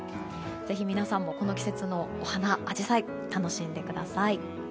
ぜひ、皆さんもこの季節のお花、アジサイを楽しんでください。